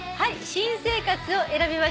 「新生活」を選びました